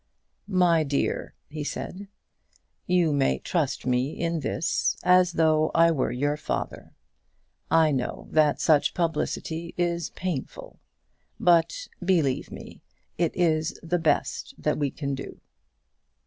"My dear," he said, "you may trust me in this as though I were your father. I know that such publicity is painful; but, believe me, it is the best that we can do."